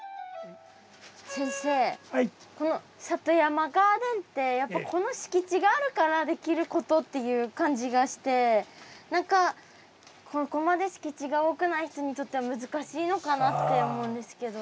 先生この里山ガーデンってやっぱこの敷地があるからできることっていう感じがして何かここまで敷地が多くない人にとっては難しいのかなって思うんですけど。